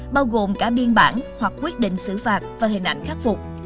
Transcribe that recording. bao gồm cả biên bản hoặc quyết định xử phạt và hình ảnh khắc phục